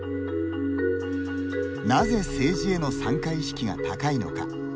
なぜ政治への参加意識が高いのか。